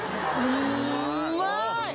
うまい！